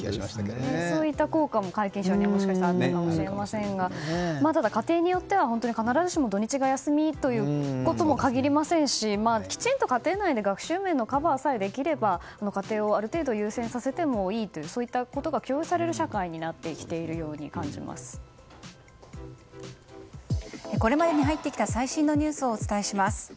そういった効果も皆勤賞にはあったかもしれませんが家庭によっては必ずしも土日が休みとも限りませんしきちんと家庭内で学習面のカバーさえできれば家庭をある程度優先させてもいいというそういったことが許容される社会にこれまでに入ってきた最新のニュースをお伝えします。